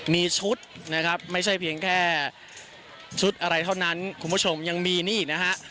มีชุดนะครับไม่ใช่เพียงแค่ชุดอะไรเท่านั้นคุณผู้ชมยังมีนี่นะฮะ